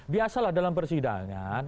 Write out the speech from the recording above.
biasalah dalam persidangan